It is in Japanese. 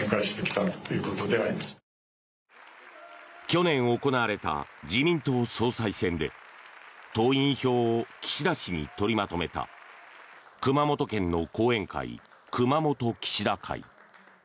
去年行われた自民党総裁選で党員票を岸田氏に取りまとめた熊本県の後援会、熊本岸田会。